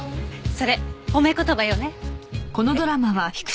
それ褒め言葉よね？